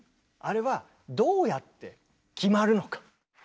あれはどうやって決まるのか。